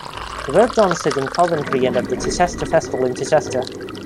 He worked onstage in Coventry and at the Chichester Festival in Chichester.